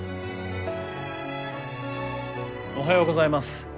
おはようございます。